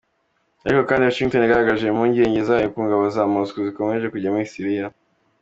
Ariko kandi Washington yagaragaje impungenge zayo ku ngabo za Moscow zikomeje kujya muri Siriya.